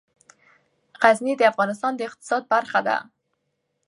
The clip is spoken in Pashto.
غزني د افغانستان د اقتصاد برخه ده.